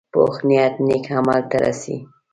پوخ نیت نیک عمل ته رسي